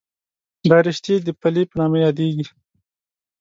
دا رشتې د پلې په نامه یادېږي.